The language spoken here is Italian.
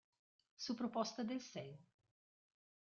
Su proposta del Sen.